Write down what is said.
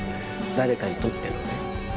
誰かにとってのね。